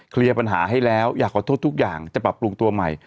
เคลียร์ปัญหาให้แล้วอยากขอโทษทุกอย่างจะปรับปรุงตัวใหม่